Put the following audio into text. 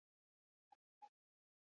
Trenbideetan ere arazoak izan ziren.